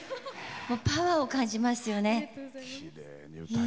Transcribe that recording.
パワーを感じますよね。